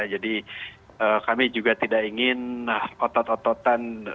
jadi kami juga tidak ingin otot ototan